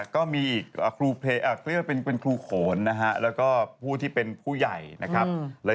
ก็มีอีกครูโขนนะฮะแล้วก็ผู้ที่เป็นผู้ใหญ่นะครับ